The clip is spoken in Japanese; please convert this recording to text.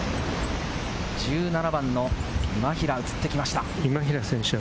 １７番の今平がうつってきました。